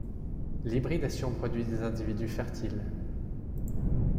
L'hybridation produit des individus fertiles.